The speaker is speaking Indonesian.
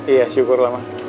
iya syukurlah ma